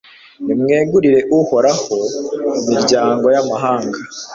nimwegurire uhoraho, miryango y'amahanga